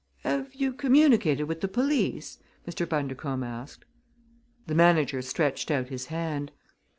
"Have you communicated with the police?" Mr. Bundercombe asked. The manager stretched out his hand.